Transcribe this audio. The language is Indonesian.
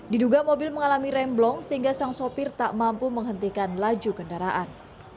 diduga mobil mengalami remblong sehingga sang sopir tak mampu menghentikan laju kendaraan